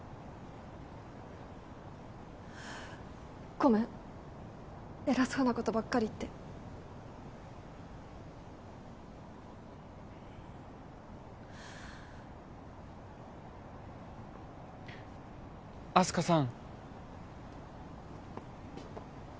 ごめん偉そうなことばっかり言ってあす花さん